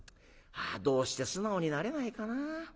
あどうして素直になれないかな。